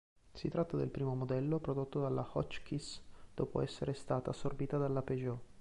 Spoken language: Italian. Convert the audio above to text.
Si tratta del primo modello prodotto dalla Hotchkiss dopo essere stata assorbita dalla Peugeot.